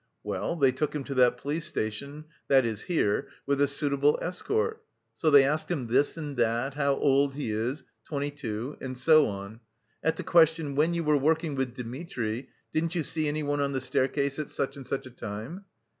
Well, they took him to that police station that is here with a suitable escort. So they asked him this and that, how old he is, 'twenty two,' and so on. At the question, 'When you were working with Dmitri, didn't you see anyone on the staircase at such and such a time?